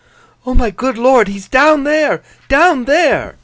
'O, my good Lord! He's down there! Down there!